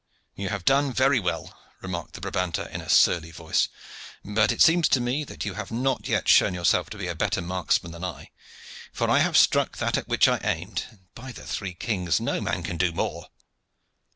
"You have done very well," remarked the Brabanter in a surly voice. "But it seems to me that you have not yet shown yourself to be a better marksman than I, for I have struck that at which I aimed, and, by the three kings! no man can do more."